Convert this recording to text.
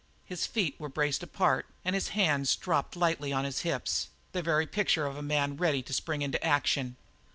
His feet were braced apart and his hands dropped lightly on his hips the very picture of a man ready to spring into action.